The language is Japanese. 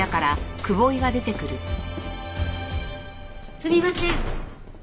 すみません。